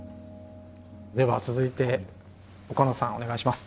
では続いて岡野さんお願いします。